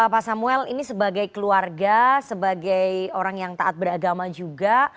pak samuel ini sebagai keluarga sebagai orang yang taat beragama juga